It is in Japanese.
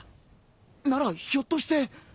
ならひょっとして。